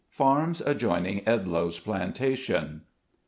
FARMS ADJOINING EDLOE's PLANTATION.